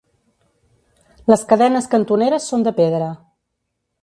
Les cadenes cantoneres són de pedra.